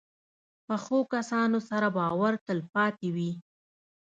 پخو کسانو سره باور تل پاتې وي